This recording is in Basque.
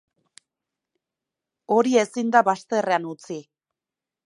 Hori ezin da bazterrean utzi.